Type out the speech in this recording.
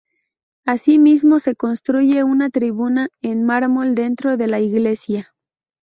Asimismo se construye una tribuna en mármol dentro de la iglesia.